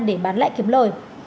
để bán lại kiếm lời